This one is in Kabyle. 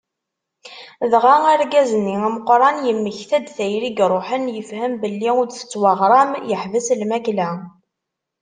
Dγa argaz-nni ameqran, yemmekta-d tayri i iruḥen, yefhem belli ur d-tettwaγram, yeḥbes lmakla.